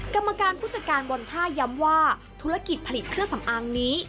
กรรมการผู้จัดการบนท่าย้ำว่าธุรกิจผลิตเครื่องสำอางนี้